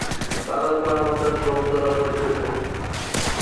বারংবার আমাদের ভ্রম ধরা পড়িতেছে।